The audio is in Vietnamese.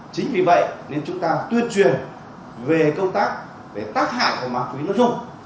chính vì vậy nên chúng ta tuyên truyền về công tác về tác hại của ma túy nó dùng